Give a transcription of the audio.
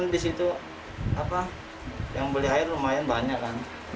di situ yang beli air lumayan banyak kan